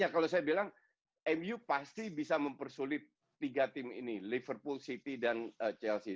ya kalau saya bilang mu pasti bisa mempersulit tiga tim ini liverpool city dan chelsea